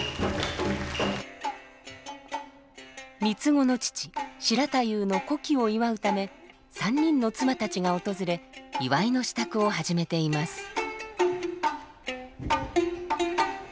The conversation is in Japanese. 三つ子の父白太夫の古希を祝うため３人の妻たちが訪れ祝いの支度を始めています。